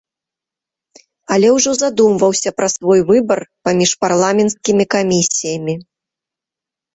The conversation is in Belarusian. Але ўжо задумваўся пра свой выбар паміж парламенцкімі камісіямі.